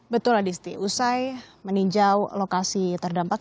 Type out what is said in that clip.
betul adisti usai meninjau lokasi terdampak